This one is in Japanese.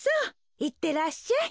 いってらっしゃい。